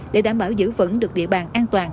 để đảm bảo giữ vững được địa bàn an toàn